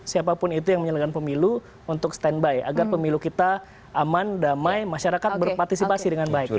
siapapun itu yang menyelenggan pemilu untuk standby agar pemilu kita aman damai masyarakat berpartisipasi dengan baik